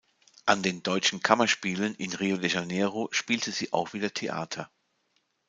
An den Deutschen Kammerspielen in Rio de Janeiro spielte sie auch wieder Theater.